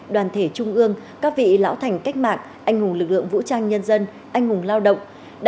đoàn thể trung ương các vị lão thành cách mạng anh hùng lực lượng vũ trang nhân dân anh hùng lao động